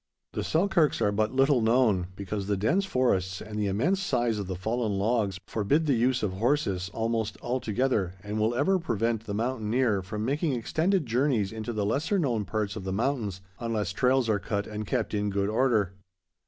The Selkirks are but little known, because the dense forests and the immense size of the fallen logs forbid the use of horses almost altogether, and will ever prevent the mountaineer from making extended journeys into the lesser known parts of the mountains, unless trails are cut and kept in good order.